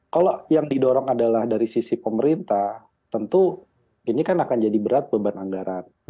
kalau yang didorong adalah dari sisi pemerintah tentu ini kan akan jadi berat beban anggaran